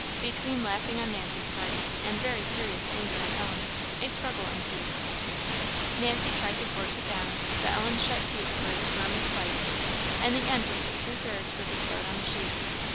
Between laughing on Nancy's part, and very serious anger on Ellen's, a struggle ensued. Nancy tried to force it down, but Ellen's shut teeth were as firm as a vice, and the end was that two thirds were bestowed on the sheet.